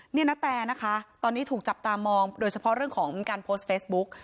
นี่นาแตนะคะตอนนี้ถูกจับตามองโดยเฉพาะเรื่องของการโพสต์เฟซบุ๊ก